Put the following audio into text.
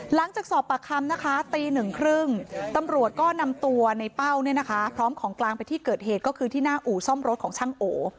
หลังจากสอบปากคำนะคะตีหนึ่งครึ่งตำรวจก็นำตัวในเป้าเนี่ยนะคะพร้อมของกลางไปที่เกิดเหตุก็คือที่หน้าอู่ซ่อมรถของช่างโอ